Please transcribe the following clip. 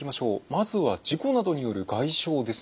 まずは事故などによる外傷ですね。